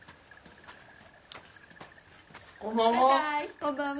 こんばんは。